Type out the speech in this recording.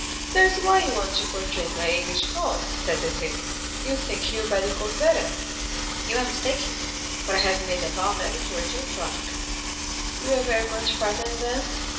"That's why you want to purchase my English horse," said Debray, "you think he will bear the cold better." "You are mistaken, for I have made a vow never to return to Africa." "You were very much frightened, then?"